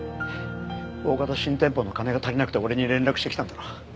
おおかた新店舗の金が足りなくて俺に連絡してきたんだろ。